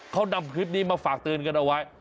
เขานำคลิปนี้มาฝากเตือนกันเอาไว้